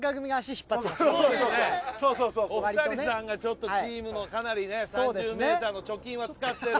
そうそうお二人さんがちょっとチームのかなりね３０ｍの貯金は使ってる。